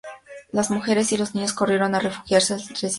Las mujeres y los niños corrieron a refugiarse al recinto sagrado.